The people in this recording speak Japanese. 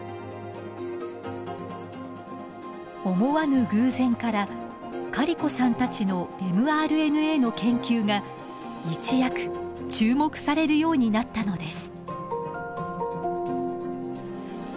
思わぬ偶然からカリコさんたちのｍＲＮＡの研究が一躍注目されるようになったのです。